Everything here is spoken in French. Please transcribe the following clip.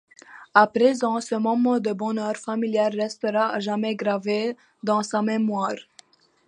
À présent, ce moment de bonheur familial restera à jamais gravé dans sa mémoire.